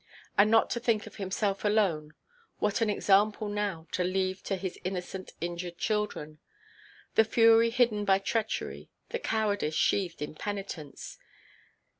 And not to think of himself alone—what an example now to leave to his innocent injured children! The fury hidden by treachery, the cowardice sheathed in penitence!